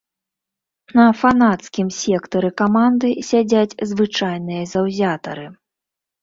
На фанацкім сектары каманды сядзяць звычайныя заўзятары.